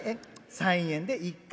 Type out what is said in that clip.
３円で１荷。